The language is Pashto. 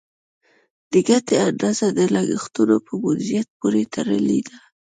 د ګټې اندازه د لګښتونو په مدیریت پورې تړلې ده.